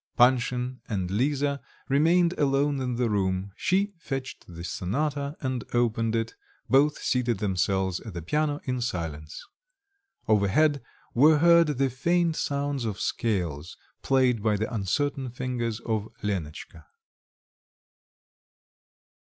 Panshin and Lisa remained alone in the room; she fetched the sonata, and opened it; both seated themselves at the piano in silence. Overhead were heard the faint sounds of scales, played by the uncertain fingers of Lenotchka.